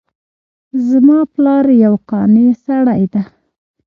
زما پلار یو قانع سړی ده